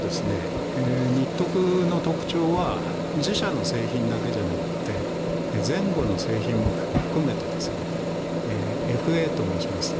ＮＩＴＴＯＫＵの特徴は自社の製品だけじゃなくて前後の製品も含めてＦＡと申しますが